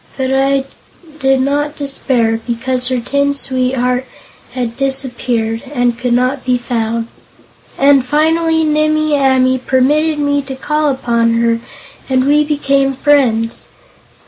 But I did not despair, because her tin sweetheart had disappeared, and could not be found. And finally Nimmie Amee permitted me to call upon her and we became friends.